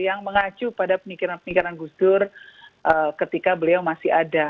yang mengacu pada pemikiran pemikiran gus dur ketika beliau masih ada